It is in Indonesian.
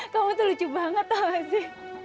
kamu tuh lucu banget tau gak sih